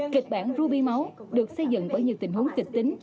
kịch bản ruby máu được xây dựng bởi những tình huống kịch tính